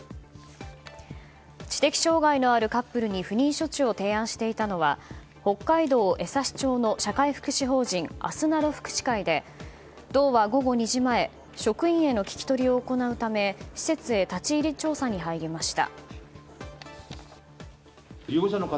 知的障害のあるカップルに不妊処置を提案していたのは北海道江差町の社会福祉法人あすなろ福祉会で道は午後２時前職員への聞き取りを行うため施設へ立ち入り調査に入りました。